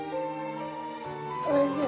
おいしい。